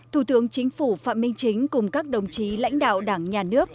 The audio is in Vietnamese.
thủ tướng chính phủ phạm minh chính cùng các đồng chí lãnh đạo đảng nhà nước